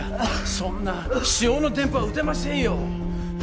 そんな私用の電報は打てませんよ